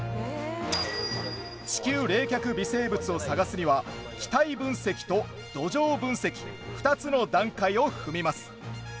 地球冷却微生物を探すには気体分析と土壌分析２つの段階を踏みます。